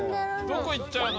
どこ行っちゃうの？